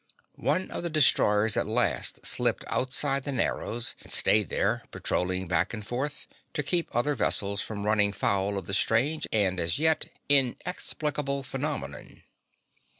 One of the destroyers at last slipped outside the Narrows and stayed there, patrolling back and forth to keep other vessels from running foul of the strange and as yet inexplicable phenomenon.